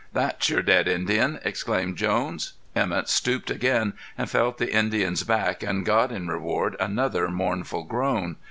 "That's your dead Indian," exclaimed Jones. Emett stooped again and felt the Indian's back and got in reward another mournful groan.